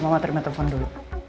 mama terima telepon dulu